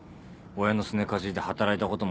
親のすねかじりで働いたこともない。